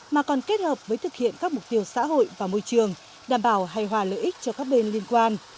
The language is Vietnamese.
mà còn kết hợp với thực hiện các mục tiêu xã hội và môi trường đảm bảo hay hòa lợi ích cho các bên liên quan